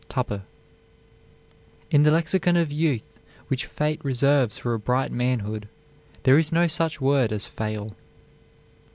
TUPPER. In the lexicon of youth which fate reserves for a bright manhood there is no such word as fail.